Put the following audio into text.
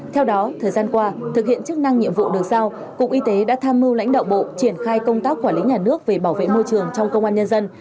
theo đó thời gian qua thực hiện chức năng nhiệm vụ được giao cục y tế đã tham mưu lãnh đạo bộ triển khai công tác quản lý nhà nước về bảo vệ môi trường trong công an nhân dân